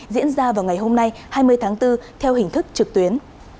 diễn ra vào ngày hôm nay hai mươi tháng bốn theo hình thức trực tuyến